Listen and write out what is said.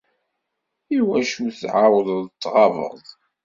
Iwacu tεawdeḍ tɣabeḍ?